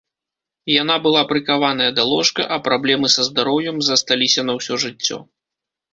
Яна была прыкаваная да ложка, а праблемы са здароўем засталіся на ўсё жыццё.